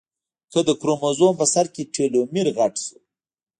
اگه د کروموزوم په سر کې ټيلومېر غټ شو.